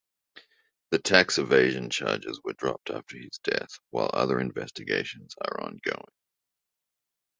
The tax evasion charges were dropped after his death, while other investigations are ongoing.